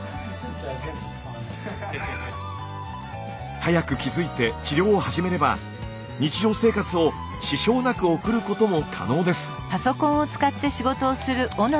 早く気づいて治療を始めれば日常生活を支障なく送ることも可能です。